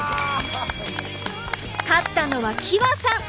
勝ったのはきわさん！